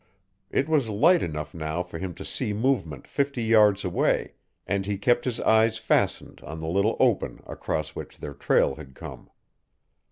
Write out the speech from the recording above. It was light enough now for him to see movement fifty yards away, and he kept his eyes fastened on the little open across which their trail had come.